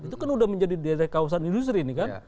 itu kan sudah menjadi daerah kawasan industri ini kan